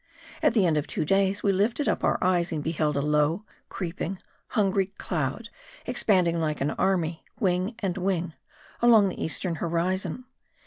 At the end of two days we lifted up our eyes and beheld a low, creeping, hungry cloud expanding like an army, wing and wing, along the eastern horizon.